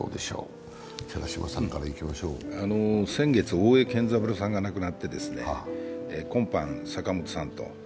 先月、大江健三郎さんが亡くなって今般、坂本さんと。